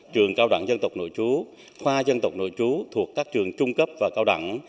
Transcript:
trường cao đẳng dân tộc nội chú khoa dân tộc nội trú thuộc các trường trung cấp và cao đẳng